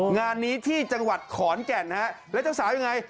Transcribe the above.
งานนี้ที่จังหวัดขอนแก่นฮะแล้วเจ้าสาวยังไง